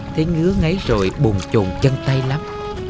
thì sẽ ngứa ngáy rồi buồn trồn chân tay lắm